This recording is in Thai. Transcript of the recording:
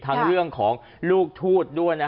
ทั้งเรื่องของลูกทูตด้วย